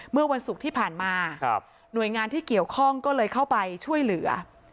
เมื่อวันศุกร์ที่ผ่านมาหน่วยงานที่เกี่ยวข้องก็เลยเข้าไปช่วยเหลือ